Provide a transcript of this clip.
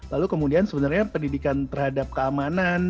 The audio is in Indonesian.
lalu kemudian sebenarnya pendidikan terhadap keamanan